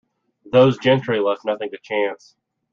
Those gentry left nothing to chance.